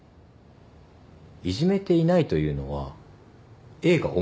いじめていないというのはＡが思っているだけです。